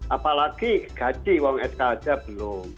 apalagi gaji uang sk aja belum